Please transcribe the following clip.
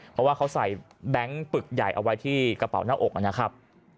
เพราะว่าเขาใส่แบงค์ปึกใหญ่เอาไว้ที่กระเป๋าหน้าอกนะครับ